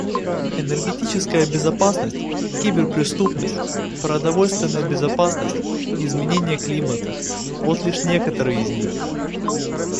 Энергетическая безопасность, киберпреступность, продовольственная безопасность, изменение климата — вот лишь некоторые из них.